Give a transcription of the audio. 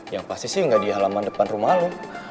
yang pasti sih ga dihalaman depan rumah lo